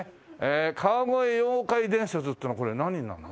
川越妖怪伝説っていうのはこれ何になるの？